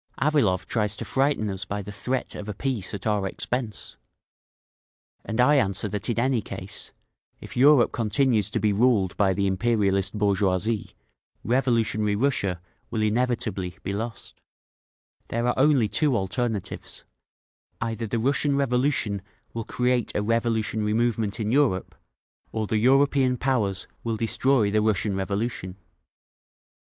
Avilov tries to frighten us by the threat of a peace at our expense. And I answer that in any case, if Europe continues to be ruled by the imperialist bourgeoisie, revolutionary Russia will inevitably be lost…. "There are only two alternatives; either the Russian Revolution will create a revolutionary movement in Europe, or the European powers will destroy the Russian Revolution!"